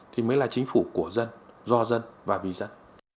thì mới là chính phủ của dân do dân và vì dân